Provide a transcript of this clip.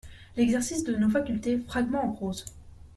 L'Exercice de nos facultés, fragment en prose.